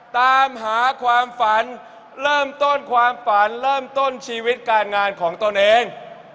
ตามหาความฝันเริ่มต้นความฝันเริ่มต้นชีวิตการงานของตนเอง